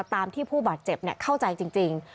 ตามที่ผู้บาดเจ็บเข้าใจจริง